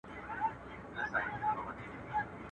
o دنيا په امېد خوړله کېږي.